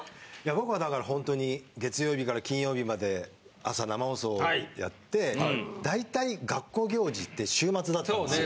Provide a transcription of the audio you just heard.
僕はだからほんとに月曜日から金曜日まで朝生放送やって大体学校行事って週末だったんですよ。